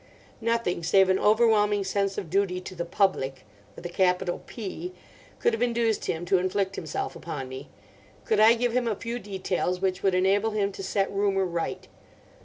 Nothing save an overwhelming sense of duty to the Public (with a capital P) could have induced him to inflict himself upon me. Could I give him a few details which would enable him to set rumour right?